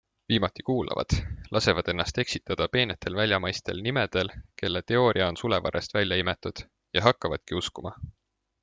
Viimati kuulavad, lasevad ennast eksitada peentel väljamaistel nimedel, kelle teooria on sulevarrest välja imetud, ja hakkavadki uskuma?